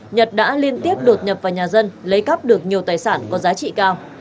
nhật đã liên tiếp đột nhập vào nhà dân lấy cắp được nhiều tài sản có giá trị cao